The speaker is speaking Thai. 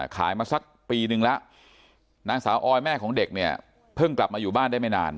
ขายมาสักปีนึงแล้วนางสาวออยแม่ของเด็กเนี่ยเพิ่งกลับมาอยู่บ้านได้ไม่นาน